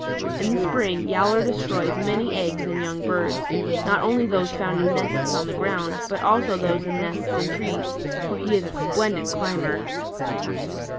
In the spring Yowler destroys many eggs and young birds, not only those found in nests on the ground, but also those in nests in trees, for he is a splendid climber.